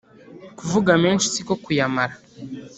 Kuvuga menshi siko kuyamara.